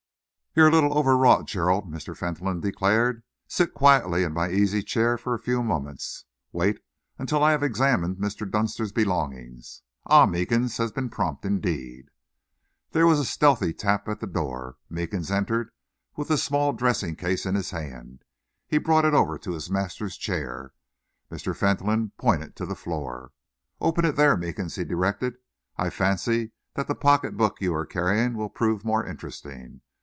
"You're a little overwrought, Gerald," Mr. Fentolin declared. "Sit quietly in my easy chair for a few moments. Wait until I have examined Mr. Dunster's belongings. Ah! Meekins has been prompt, indeed." There was a stealthy tap at the door. Meekins entered with the small dressing case in his hand. He brought it over to his master's chair. Mr. Fentolin pointed to the floor. "Open it there, Meekins," he directed. "I fancy that the pocket book you are carrying will prove more interesting.